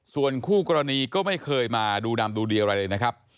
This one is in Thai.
ส่วนคู่กรณีก็ไม่เคยมาดูดำดูดีอะไรเลยนะครับ